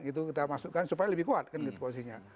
itu kita masukkan supaya lebih kuat posisinya